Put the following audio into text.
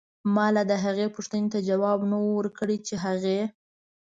مالا دهغې دپو ښتنې ته ځواب نه و ورکړی چې هغې